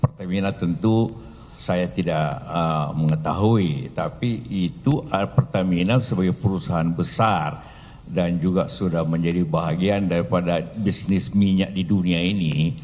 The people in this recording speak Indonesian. pertamina tentu saya tidak mengetahui tapi itu pertamina sebagai perusahaan besar dan juga sudah menjadi bahagian daripada bisnis minyak di dunia ini